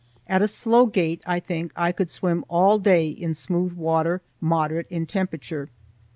At a slow gait I think I could swim all day in smooth water moderate in temperature.